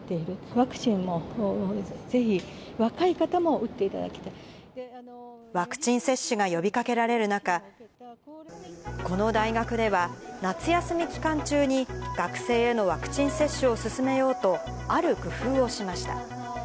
ワクチンも、ぜひ若い方も打ってワクチン接種が呼びかけられる中、この大学では、夏休み期間中に、学生へのワクチン接種を進めようと、ある工夫をしました。